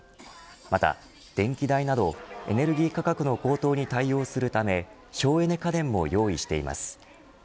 また電気代などエネルギー価格の高騰に対応するため省エネ家電も用意しています。